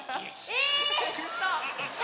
え！